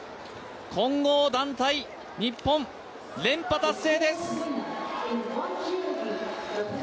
混合団体、日本、連覇達成です！